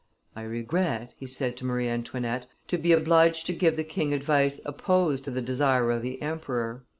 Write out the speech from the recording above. "I regret," he said to Marie Antoinette, "to be obliged to give the king advice opposed to the desire of the emperor."